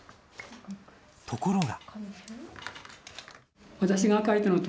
ところが。